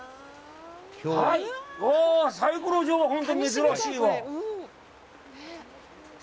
サイコロ状は本当に珍しいわ。